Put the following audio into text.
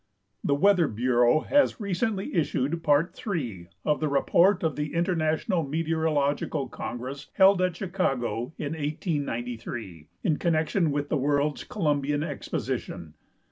The Weather Bureau has recently issued Part 3 of the Report of the International Meteorological Congress held at Chicago in 1893, in connection with the World's Columbian Exposition.